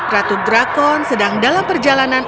ratu drakon sedang dalam perjalanan